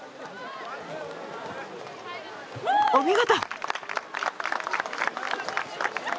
お見事！